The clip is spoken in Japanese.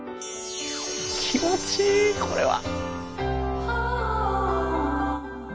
気持ちいいこれは。